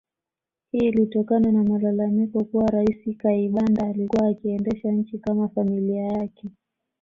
Hii ilitokana na malalamiko kuwa Rais Kayibanda alikuwa akiendesha nchi kama familia yake